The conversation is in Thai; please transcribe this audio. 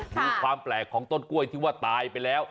ดูความแปลกของต้นกล้วยที่ว่าตายไปแล้ว